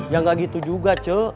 ya nggak gitu juga cek